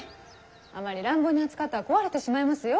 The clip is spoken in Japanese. あまり乱暴に扱ったら壊れてしまいますよ。